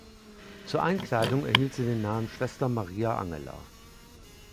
Zur Einkleidung erhielt sie den Namen Schwester Maria Angela.